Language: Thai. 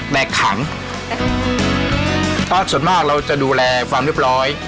แต่ขังสดมากเราจะดูแร์ความง่ายปร้อย